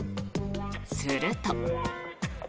すると。